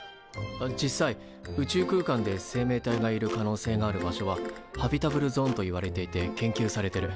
あっ実際宇宙空間で生命体がいる可能性がある場所はハビタブルゾーンといわれていて研究されてる。